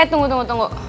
eh tunggu tunggu tunggu